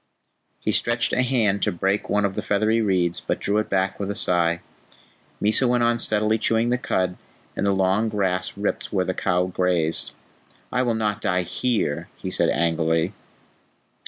He stretched a hand to break one of the feathery reeds, but drew it back with a sigh. Mysa went on steadily chewing the cud, and the long grass ripped where the cow grazed. "I will not die HERE," he said angrily.